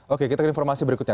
oke kita ke informasi berikutnya